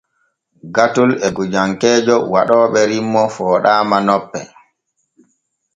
Gatol e gojankeejo waɗooɓe rimmo fooɗaama nope.